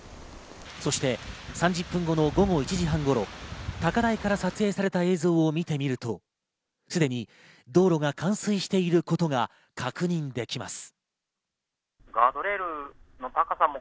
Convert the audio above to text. そして、３０分後の午後１時半頃、高台から撮影された映像を見てみると、すでに道路が冠水していることが確認できます。